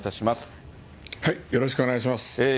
よろしくお願いします。